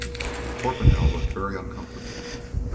Torpenhow looked very uncomfortable.